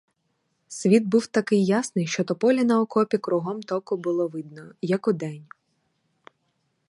Світ був такий ясний, що тополі на окопі кругом току було видно, як удень.